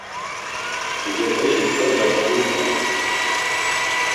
Pucepeşi korbas dudzğamt̆u.